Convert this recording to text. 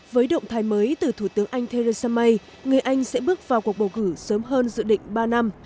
với động thái mới từ thủ tướng anh theresa may người anh sẽ bước vào cuộc bầu cử sớm hơn dự định ba năm